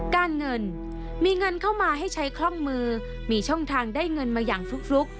การเงินมีเงินเข้ามาให้ใช้คล่องมือมีช่องทางได้เงินมาอย่างฟลุก